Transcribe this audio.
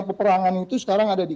peperangan itu sekarang ada di